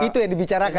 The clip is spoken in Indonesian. itu yang dibicarakan